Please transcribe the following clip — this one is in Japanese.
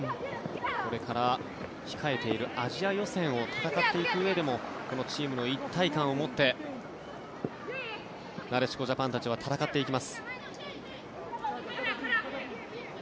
これから控えているアジア予選を戦っていくうえでもこのチームの一体感を持ってなでしこジャパンたちは戦っていきます。